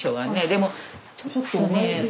でもちょっとねすぐ。